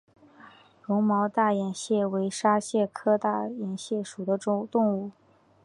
绒毛大眼蟹为沙蟹科大眼蟹属的动物。